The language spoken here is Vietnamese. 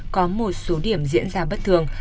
có một số điểm diễn ra bất thường